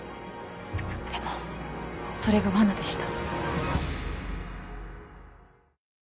でもそれが罠でした。